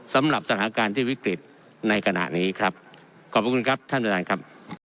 สำหรับสถานการณ์ที่วิกฤตในขณะนี้ครับขอบคุณครับท่านประธานครับ